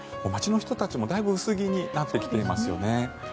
街の人たちもだいぶ薄着になってきていますね。